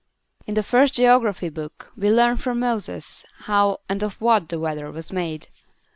In the first geography book we learn from Moses how and of what the Weather was made.